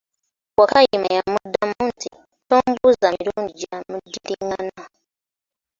Wakayima y'amuddamu nti, tombuuza mirundi gya muddiringana.